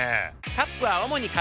カップは主に紙。